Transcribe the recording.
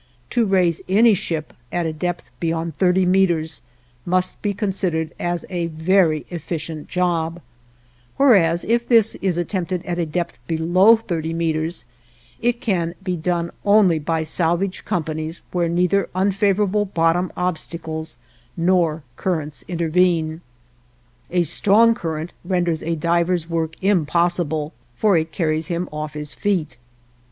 To raise any ship at a depth above thirty meters must be considered as a very efficient job, whereas if this is attempted at a depth below thirty meters it can be done only by salvage companies where neither unfavorable bottom obstacles nor currents intervene. A strong current renders a diver's work impossible, for it carries him off his feet.